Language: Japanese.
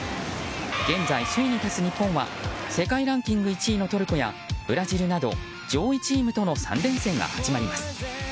現在首位に立つ日本は世界ランキング１位のトルコやブラジルなど上位チームとの３連戦が始まります。